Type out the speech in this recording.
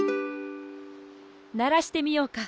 ならしてみようか。